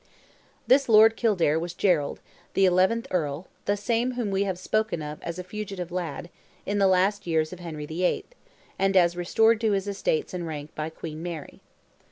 This Lord Kildare was Gerald, the eleventh Earl, the same whom we have spoken of as a fugitive lad, in the last years of Henry VIII., and as restored to his estates and rank by Queen Mary.